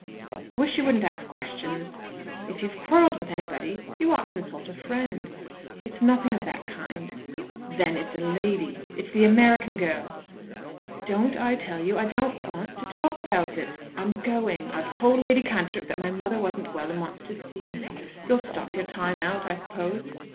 "I wish you wouldn't ask questions." "If you've quarrelled with anybody you ought to consult a friend." "It's nothing of that kind." "Then it's a lady. It's the American girl!" "Don't I tell you I don't want to talk about it? I'm going. I've told Lady Cantrip that my mother wasn't well and wants to see me. You'll stop your time out, I suppose?"